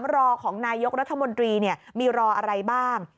รอของนายกรัฐมนตรีมีรออะไรบ้าง